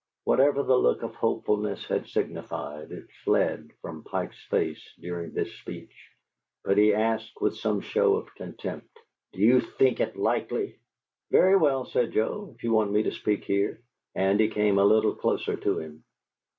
Whatever the look of hopefulness had signified, it fled from Pike's face during this speech, but he asked with some show of contempt, "Do you think it likely?" "Very well," said Joe, "if you want me to speak here." And he came a little closer to him.